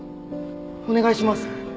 お願いします！